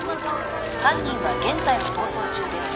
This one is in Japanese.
犯人は現在も逃走中です・